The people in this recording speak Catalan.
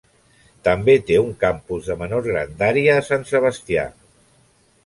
També té un campus de menor grandària a Sant Sebastià.